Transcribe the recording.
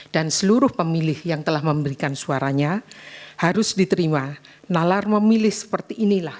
dan seluruh pemilih yang telah memberikan suaranya harus diterima nalar memilih seperti inilah